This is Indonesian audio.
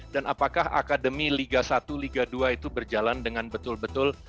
dan apakah akademi liga satu liga dua itu berjalan dengan betul betul